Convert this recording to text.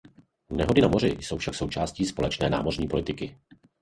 Nehody na moři jsou však součástí společné námořní politiky.